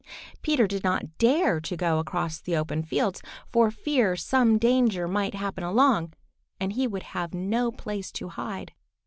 Peter did not dare to go out across the open fields, for fear some danger might happen along, and he would have no place to hide.